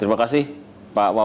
terima kasih alpito selamat